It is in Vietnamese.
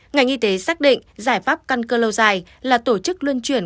ngành y tế xác định giải pháp căn cơ lâu dài là tổ chức luân chuyển